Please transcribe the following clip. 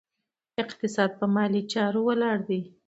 اقتصاد په مالي چارو ولاړ دی.